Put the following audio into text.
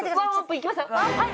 いきますよはい！